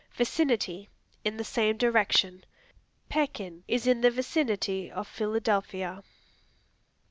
Vicinity In the same direction; "Pekin is in the vicinity of Philadelphia."